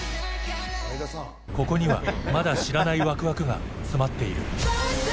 ここにはまだ知らないワクワクが詰まっている。